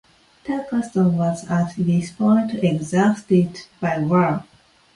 Turkestan was at this point exhausted by war.